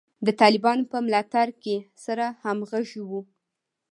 د طالبانو په ملاتړ کې سره همغږي وو.